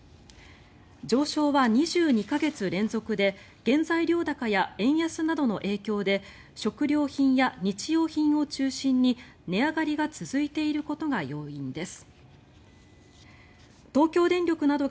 上昇は２２か月連続で原材料高や円安などの影響で食料品や日用品を中心に値上がりが続いていることが要因です。